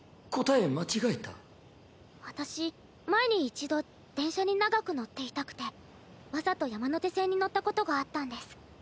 私前に一度電車に長く乗っていたくてわざと山手線に乗ったことがあったんです。